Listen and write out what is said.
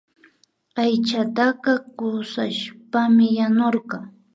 Aychataka kushashpami yanurka